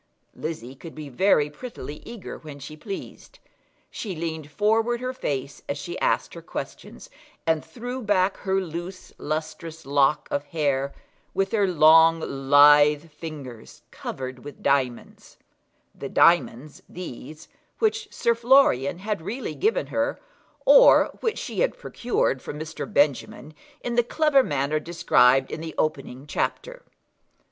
Lizzie could be very prettily eager when she pleased. She leaned forward her face as she asked her questions, and threw back her loose lustrous lock of hair, with her long lithe fingers covered with diamonds, the diamonds, these, which Sir Florian had really given her, or which she had procured from Mr. Benjamin in the clever manner described in the opening chapter.